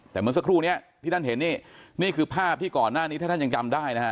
แต่เมื่อสักครู่นี้ที่ท่านเห็นนี่นี่คือภาพที่ก่อนหน้านี้ถ้าท่านยังจำได้นะฮะ